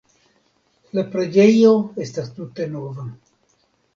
La preĝejo estas tute nova.